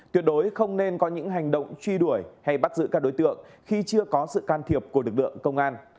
tuyệt đối không nên có những hành động truy đuổi hay bắt giữ các đối tượng khi chưa có sự can thiệp của lực lượng công an